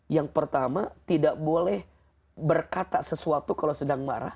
yang pertama tidak boleh berkata sesuatu kalau sedang marah